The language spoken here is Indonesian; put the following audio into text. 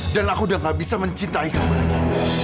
dan aku udah gak bisa mencintai kamu lagi